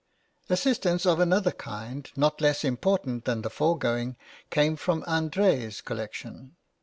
Assistance of another kind, not less important than the foregoing, came from André's collection.